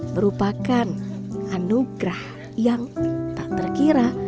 merupakan anugerah yang tak terkira